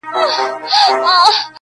د جهاني عمر به وروسته نذرانه دروړمه-